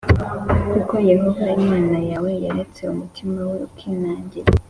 kuko yehova imana yawe yaretse umutima we ukinangira+